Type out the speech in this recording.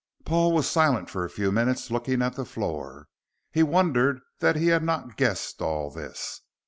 Paul was silent for a few minutes, looking at the floor. He wondered that he had not guessed all this.